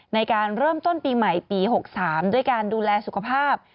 ในการเริ่มต้นปีใหม่ปี๖๓ด้วยการดูแลสุขภาพ